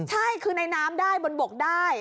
ใช่คือในน้ำได้บนบกได้